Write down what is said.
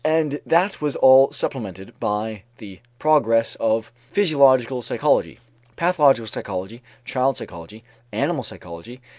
And that was all supplemented by the progress of physiological psychology, pathological psychology, child psychology, animal psychology.